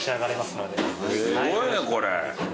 すごいねこれ。